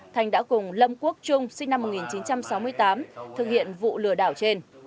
thành đã cùng lâm quốc trung sinh năm một nghìn chín trăm sáu mươi tám thực hiện vụ lừa đảo trên